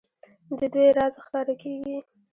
د دوی راز ښکاره کېږي.